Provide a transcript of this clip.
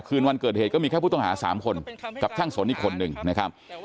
คืนวันเกิดเหตุก็มีแค่ผู้ต้องหา๓คนกับช่างสนอีกคนนึงนะครับ